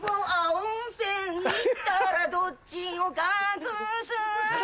温泉行ったらどっちを隠す